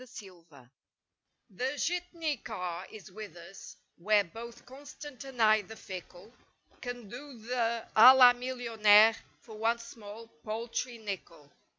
39 DER JITNEY The Jitney car is with us, where both constant and i the fickle, Can do the a la millionaire for one small, paltry nickle.